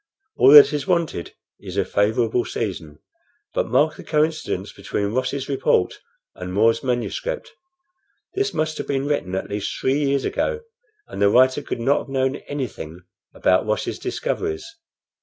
All that is wanted is a favorable season. But mark the coincidence between Ross's report and More's manuscript. This must have been written at least three years ago, and the writer could not have known anything about Ross's discoveries.